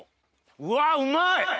うわうまい！